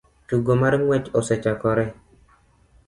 Tugo mar ng'wech osechakore